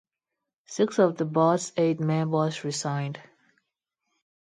Six of the board’s eight members resigned.